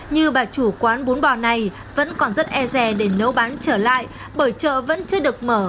như bà chủ quán bún bò này vẫn còn rất e rè để nấu bán trở lại bởi chợ vẫn chưa được mở